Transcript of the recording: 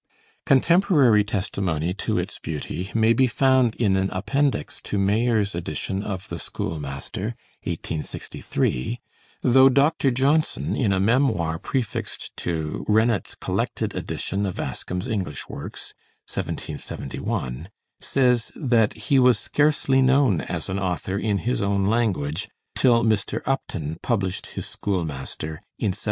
Contemporary testimony to its beauty may be found in an appendix to Mayor's edition of 'The School master' (1863); though Dr. Johnson, in a memoir prefixed to Rennet's collected edition of Ascham's English works (1771), says that "he was scarcely known as an author in his own language till Mr. Upton published his 'Schoolmaster' in 1771."